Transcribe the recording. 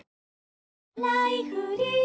「ライフリー」